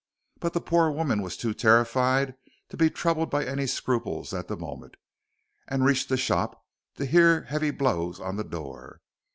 But the poor woman was too terrified to be troubled by any scruples at the moment, and reached the shop to hear heavy blows on the door.